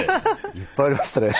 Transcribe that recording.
いっぱいありましたねぇ。